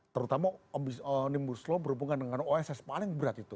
terutama omnibus law berhubungan dengan oss paling berat itu